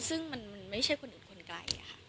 ซึ่งมันไม่ใช่คนอื่นคนไกลค่ะ